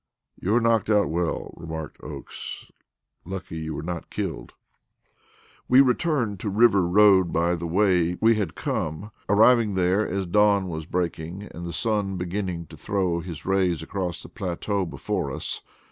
"You were knocked out well," remarked Oakes; "lucky you were not killed." We returned to River Road by the way we had come, arriving there as dawn was breaking and the sun beginning to throw his rays across the plateau before us.